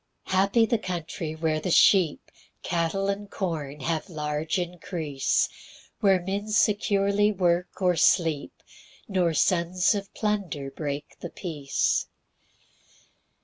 2 Happy the country, where the sheep, Cattle, and corn, have large increase; Where men securely work or sleep, Nor sons of plunder break the peace.